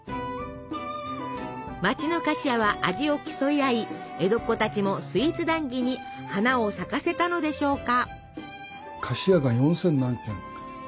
町の菓子屋は味を競い合い江戸っ子たちもスイーツ談義に花を咲かせたのでしょうか。